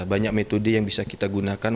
banyak metode yang bisa kita gunakan